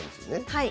はい。